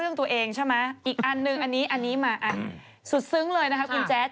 อุ๊ยหิวน้ำเลยคุยเรื่องนี้เลยนะครับ